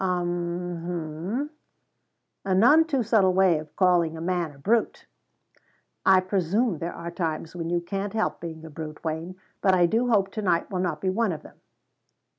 "'Um hum. A none too subtle way of calling a man a brute." "I presume there are times when you can't help being a brute, Wayne; but I do hope to night will not be one of them."